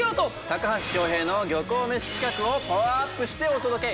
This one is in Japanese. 高橋恭平の漁港めし企画をパワーアップしてお届け！